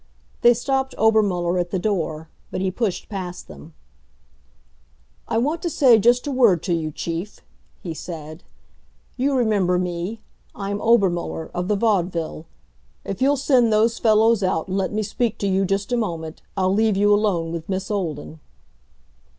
They stopped Obermuller at the door. But he pushed past them. "I want to say just a word to you, Chief," he said. "You remember me. I'm Obermuller, of the Vaudeville. If you'll send those fellows out and let me speak to you just a moment, I'll leave you alone with Miss Olden."